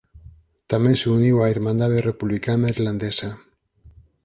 Tamén se uniu á Irmandade Republicana Irlandesa.